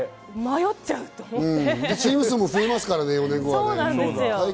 チーム数も増えますからね。